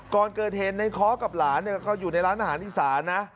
ก่อนเกิดเหตุในเคาะกับหลานเขาอยู่ในร้านอาหารอีสานนะ